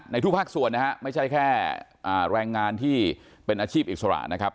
ในทุกภาคส่วนไม่ใช่แค่แรงงานที่เป็นอาชีพออกสมัย